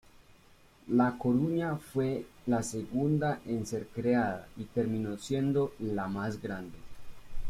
La Coruña fue la segunda en ser creada y terminó siendo la más grande.